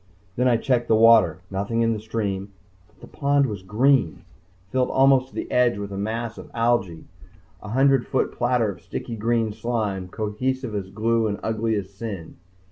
Then I checked the water. Nothing in the stream, but the pond was green! filled almost to the edge with a mass of algae! A hundred foot platter of sticky green slime, cohesive as glue and ugly as sin.